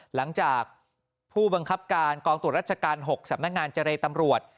หลังจากผู้บังคับการกองตรวจราชการ๖สำนักงานเจรตำรวจ